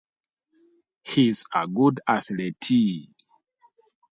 He's a good athlete.